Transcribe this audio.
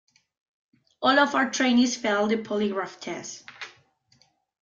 All of our trainees failed the polygraph test.